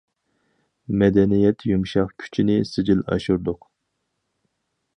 مەدەنىيەت يۇمشاق كۈچىنى سىجىل ئاشۇردۇق.